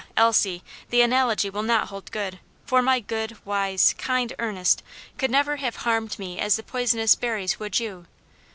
Elsie, the analogy will not hold good; for my good, wise, kind Ernest could never have harmed me as the poisonous berries would you.